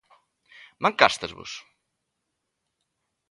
Mancástesvos?